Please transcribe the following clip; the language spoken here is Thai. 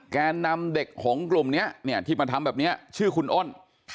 แกนนำเด็กหงกลุ่มนี้ที่มาทำแบบนี้ชื่อคุณอ้น